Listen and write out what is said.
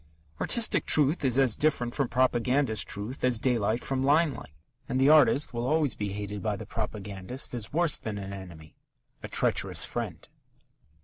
Artistic truth is as different from propagandist truth as daylight from limelight, and the artist will always be hated by the propagandist as worse than an enemy a treacherous friend.